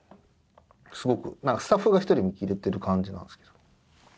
スタッフが１人見切れてる感じなんですけど。